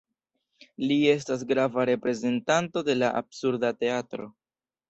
Li estas grava reprezentanto de la Absurda Teatro.